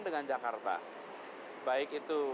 dengan jakarta baik itu